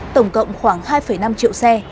tổng cộng khoảng hai năm triệu xe